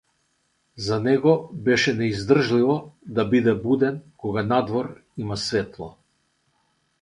За него беше неиздржливо да биде буден кога надвор има светло.